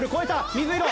水色。